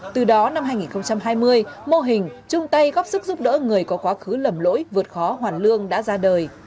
từ đó năm hai nghìn hai mươi mô hình chung tay góp sức giúp đỡ người có quá khứ lầm lỗi vượt khó hoàn lương đã ra đời